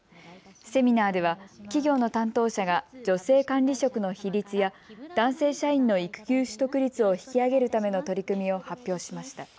セミナーでは企業の担当者が女性管理職の比率や男性社員の育休取得率を引き上げるための取り組みを発表しました。